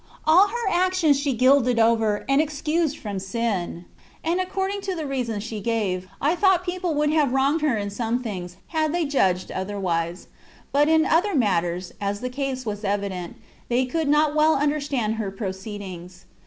All her actions she gilded over, and excused from sin; and, according to the reasons she gave, I thought people would have wronged her in some things, had they judged otherwise : but in other matters (as the case was evident) they could not well understand her proceedings.